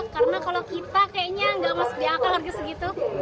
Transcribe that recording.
karena kalau kita kayaknya nggak masuk di aka harga segitu